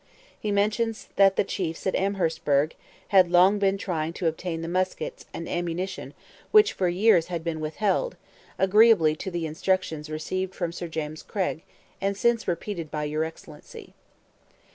He mentions that the chiefs at Amherstburg had long been trying to obtain the muskets and ammunition 'which for years had been withheld, agreeably to the instructions received from Sir James Craig, and since repeated by Your Excellency.'